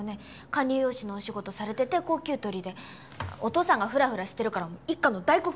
管理栄養士のお仕事されてて高給取りでお父さんがフラフラしてるから一家の大黒柱だったって。